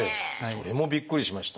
それもびっくりしました。